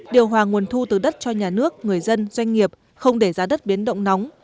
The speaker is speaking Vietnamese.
điều hòa nguồn thu từ đất cho nhà nước người dân doanh nghiệp không để giá đất biến động nóng